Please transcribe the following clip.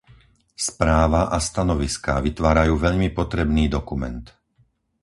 Správa a stanoviská vytvárajú veľmi potrebný dokument.